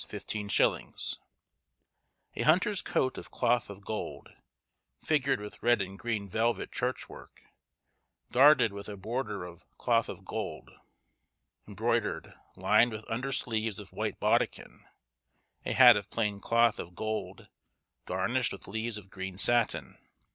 _ A hunter's coat, of cloth of gold, figured with red and green velvet church work, garded with a border of cloth of gold, embroidered, lined with under sleeves of white baudekyn; a hat of plain cloth of gold, garnished with leaves of green satin.